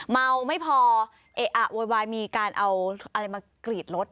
เมาไม่พอเอะอะโวยวายมีการเอาอะไรมากรีดรถ